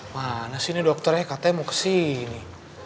mana sih nih dokternya katanya mau kesini